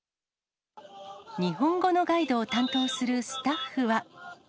日本語のガイドを担当するスタッフは。